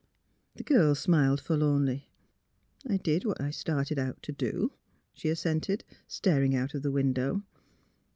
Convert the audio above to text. The girl smiled forlornly. '' I did what I started out to do," she assented, staring out of the window.